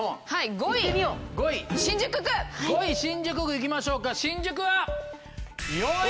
５位新宿区行きましょうか新宿は４位！